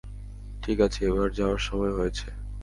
ঠিক আছে, এবার যাওয়ার সময় হয়েছে।